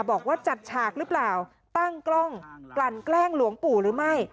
บอกว่าจัดฉากหรือเปล่าตั้งกล้องกลั่นแกล้งหลวงปู่หรือไม่